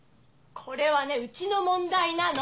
これはねうちの問題なの！